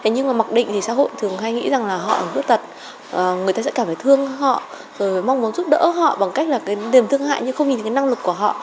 nhưng mà mặc định thì xã hội thường hay nghĩ rằng là họ là người khuyết tật người ta sẽ cảm thấy thương họ rồi mong muốn giúp đỡ họ bằng cách là đềm thương hại nhưng không nhìn thấy năng lực của họ